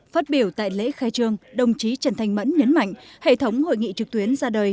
phát biểu tại lễ khai trương đồng chí trần thanh mẫn nhấn mạnh hệ thống hội nghị trực tuyến ra đời